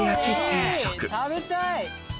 食べたい！